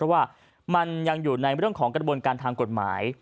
เพราะว่ามันยังอยู่ในเรื่องของกระบวนการทางกฎหมาย